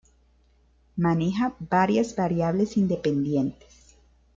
Maneja varias variables independientes.